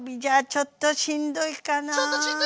ちょっとしんどいか！